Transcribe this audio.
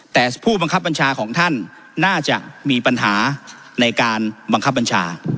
แต่ผู้บังคับบัญชาของท่านน่าจะมีปัญหาในการบังคับบัญชา